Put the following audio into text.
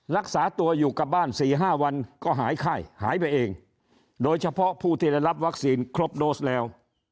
รักษาตัวอยู่กับบ้าน๔๕วันก็หายไข้หายไปเองโดยเฉพาะผู้ที่ได้รับวัคซีนครบโดสแล้ว